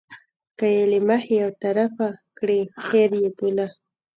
که یې له مخې یو طرفه کړي هېر یې بوله.